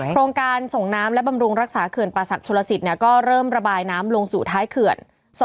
โครงการส่งน้ำและบำรุงรักษาเขื่อนป่าศักดิชลสิทธิ์ก็เริ่มระบายน้ำลงสู่ท้ายเขื่อน